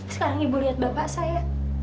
sekarang ibu lihat bapak saya